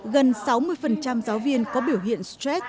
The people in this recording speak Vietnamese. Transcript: gần sáu mươi giáo viên có biểu hiện stress